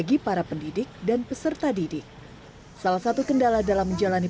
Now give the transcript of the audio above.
kementerian pendidikan dan kebudayaan menjalankan kesehatan penguasaan masyarakat